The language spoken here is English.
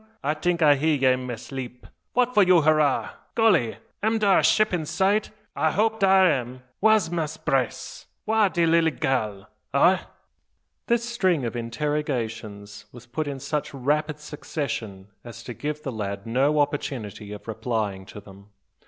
I tink I hear ye in ma 'leep. What for you hurrah? Golly! am dar a ship in sight? I hope dar am Wha's Mass' Brace? wha's de lilly gal? Augh?" This string of interrogations was put in such rapid succession as to give the lad no opportunity of replying to them.